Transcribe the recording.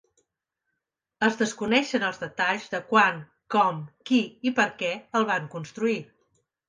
Es desconeixen els detalls de quan, com, qui i per què el van construir.